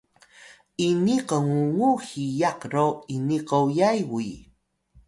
ini kngungu hiyaq ro ini koyay uyi